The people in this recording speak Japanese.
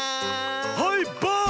はいバーン！